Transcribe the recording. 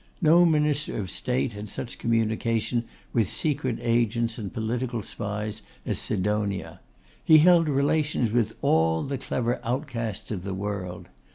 No Minister of State had such communication with secret agents and political spies as Sidonia. He held relations with all the clever outcasts of the world.